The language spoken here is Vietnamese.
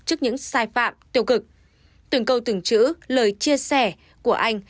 trước những sai phạm tiêu cực từng câu từng chữ lời chia sẻ của anh